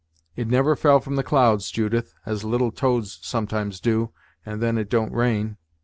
"It never fell from the clouds, Judith, as little toads sometimes do, and then it don't rain."